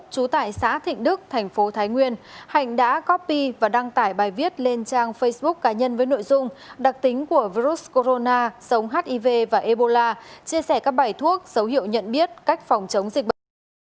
trú tại xã thịnh đức thành phố thái nguyên hạnh đã copy và đăng tải bài viết lên trang facebook cá nhân với nội dung đặc tính của virus corona sống hiv và ebola chia sẻ các bài thuốc dấu hiệu nhận biết cách phòng chống dịch bệnh